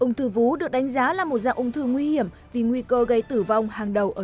ung thư vú được đánh giá là một dạng ung thư nguy hiểm vì nguy cơ gây tử vong hàng đầu ở